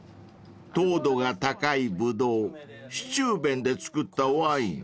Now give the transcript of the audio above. ［糖度が高いブドウスチューベンで造ったワイン］